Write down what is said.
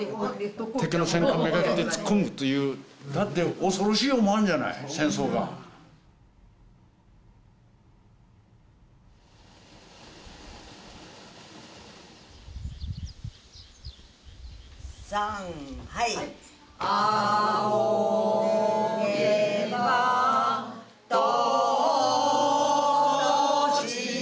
敵の戦艦めがけて突っ込むというだって恐ろしい思わんじゃない戦争がサンはい仰げば尊し